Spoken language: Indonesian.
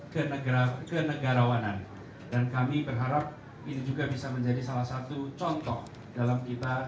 dan negara negara rawanan dan kami berharap ini juga bisa menjadi salah satu contoh dalam kita